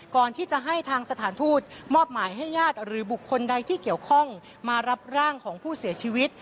ก่อนที่จะให้ทางสถานทูตมอบหมายให้ญาติหรือบุคคลใดที่เกี่ยวข้องมารับร่างของผู้เสียชีวิต